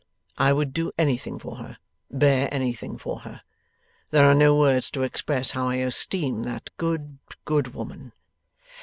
I would do anything for her, bear anything for her. There are no words to express how I esteem that good, good woman.